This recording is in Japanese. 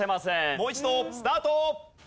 もう一度スタート！